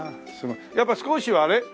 やっぱ少しはあれ？